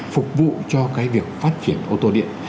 phục vụ cho cái việc phát triển ô tô điện